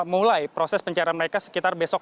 mulai proses pencarian mereka sekitar besok